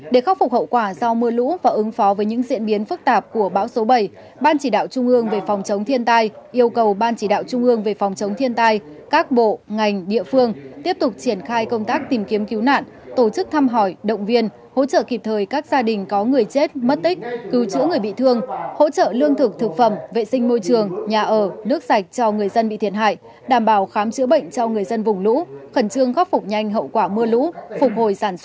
để khắc phục hậu quả do mưa lũ và ứng phó với những diễn biến phức tạp của báo số bảy ban chỉ đạo trung ương về phòng chống thiên tai yêu cầu ban chỉ đạo trung ương về phòng chống thiên tai các bộ ngành địa phương tiếp tục triển khai công tác tìm kiếm cứu nạn tổ chức thăm hỏi động viên hỗ trợ kịp thời các gia đình có người chết mất tích cứu chữa người bị thương hỗ trợ lương thực thực phẩm vệ sinh môi trường nhà ở nước sạch cho người dân bị thiệt hại đảm bảo khám chữa bệnh cho người dân vùng lũ khẩn trương khắc ph